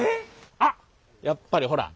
あっやっぱりほら。